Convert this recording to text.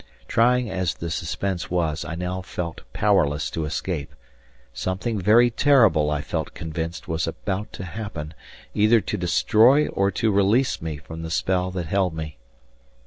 Trying as the suspense was, I now felt powerless to escape. Something very terrible, I felt convinced, was about to happen, either to destroy or to release me from the spell that held me.